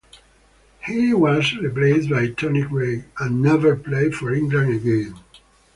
He was replaced by Tony Greig and never played for England again.